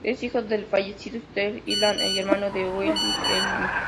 Es hijo del fallecido Steve Irwin y hermano de Bindi Irwin.